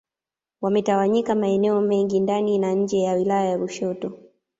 Wametawanyika maeneo mengi ndani na nje ya wilaya ya Lushoto